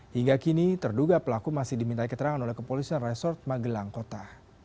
hingga kini terduga pelaku masih dimintai keterangan oleh kepolisian resort magelang kota